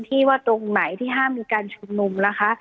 ตรงไหนที่ห้ามมีการชุมนุมนะคะ